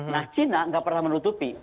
nah china nggak pernah menutupi